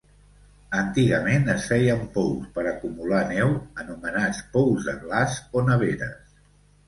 Antigament es feien pous per acumular neu, anomenats pous de glaç o neveres.